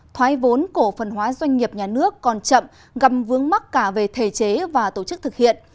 thoái vốn cổ phần hóa doanh nghiệp nhà nước còn chậm gầm vướng mắc cả về thể chế và tổ chức thực hiện